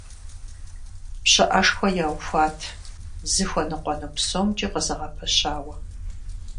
ПщыӀэшхуэ яухуэт, зыхуэныкъуэну псомкӀи къызэгъэпэщауэ,.